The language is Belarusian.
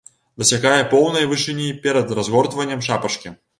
Дасягае поўнай вышыні перад разгортваннем шапачкі.